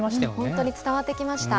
本当に伝わってきました。